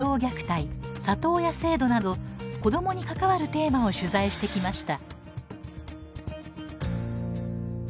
長年、児童虐待、里親制度など子どもに関わるテーマを取材してきました。